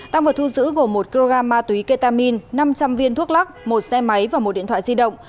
tăng vật thu giữ gồm một kg ma túy ketamin năm trăm linh viên thuốc lắc một xe máy và một điện thoại di động